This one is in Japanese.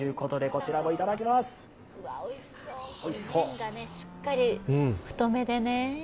麺がしっかり太麺で。